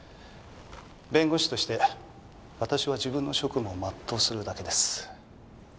弁護士として私は自分の職務を全うするだけです。